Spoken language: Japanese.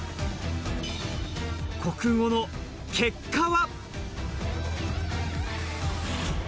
国語の結果は。